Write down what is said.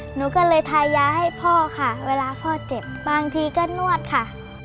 หนูก็เลยทายาให้พ่อค่ะเวลาพ่อเจ็บบางทีก็นวดค่ะ